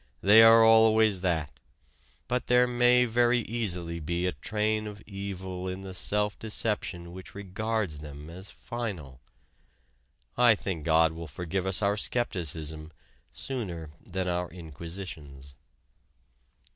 They are always that. But there may very easily be a train of evil in the self deception which regards them as final. I think God will forgive us our skepticism sooner than our Inquisitions.